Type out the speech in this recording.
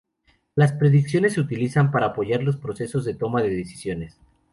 Las predicciones se utilizan para apoyar los procesos de toma de decisiones.